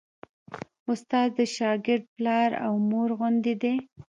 استاد د شاګرد پلار او مور غوندې دی.